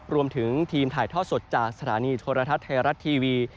รวมถึงทีมถ่ายทอดสดจากสถานีโทรทัศน์ไทยรัฐทีวี